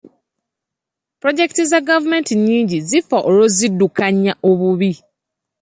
Pulojekiti za gavumenti nnyingi zifa olw'okuziddukanya obubi.